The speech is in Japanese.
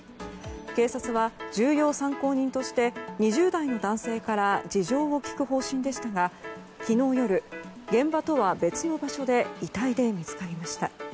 警察は重要参考人として２０代の男性から事情を聴く方針でしたが昨日夜現場とは別の場所で遺体で見つかりました。